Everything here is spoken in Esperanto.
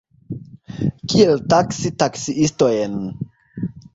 Kiel taksi taksiistojn?